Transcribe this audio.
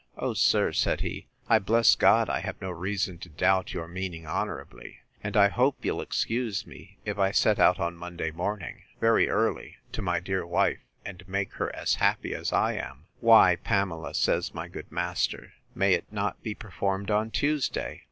O, sir, said he, I bless God I have no reason to doubt your meaning honourably: and I hope you'll excuse me, if I set out on Monday morning, very early, to my dear wife, and make her as happy as I am. Why, Pamela, says my good master, may it not be performed on Tuesday?